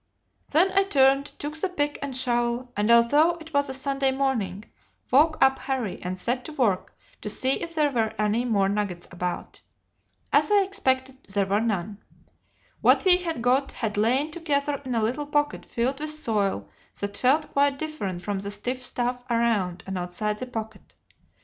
Then I turned, took the pick and shovel, and although it was a Sunday morning, woke up Harry and set to work to see if there were any more nuggets about. As I expected, there were none. What we had got had lain together in a little pocket filled with soil that felt quite different from the stiff stuff round and outside the pocket.